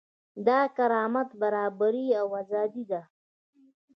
دا کرامت، برابري او ازادي ده.